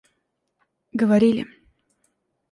говорили